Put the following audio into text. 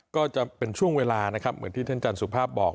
ก็จะเป็นช่วงเวลานะครับเหมือนที่ท่านจันทร์สุภาพบอก